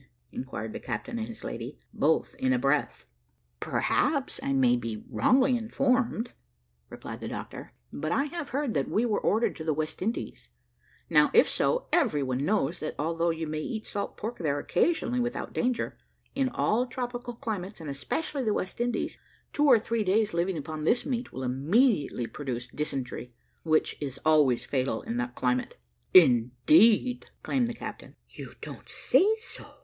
inquired the captain and his lady, both in a breath. "Perhaps I may be wrongly informed," replied the doctor; "but I have heard that we were ordered to the West Indies; now, if so, every one knows, that although you may eat salt pork there occasionally without danger, in all tropical climates, and especially the West Indies, two or three days' living upon this meat will immediately produce dysentery, which is always fatal in that climate." "Indeed!" exclaimed the captain. "You don't say so?"